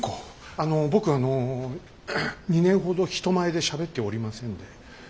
あの僕あの２年ほど人前でしゃべっておりませんで。